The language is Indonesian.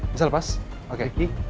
bisa lepas oke